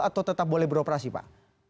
atau tetap boleh beroperasi pak